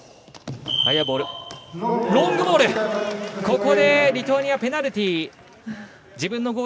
ここでリトアニア、ペナルティー。